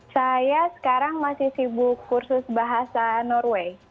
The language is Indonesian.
saya sekarang masih sibuk kursus bahasa norway